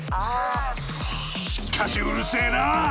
しっかしうるせえなぁ！